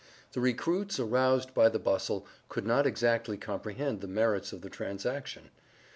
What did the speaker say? The recruits, aroused by the bustle, could not exactly comprehend the merits of the transaction.